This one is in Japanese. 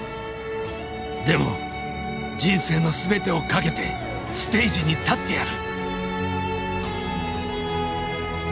でも人生の全てを懸けてステージに立ってやる！